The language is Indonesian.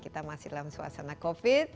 kita masih dalam suasana covid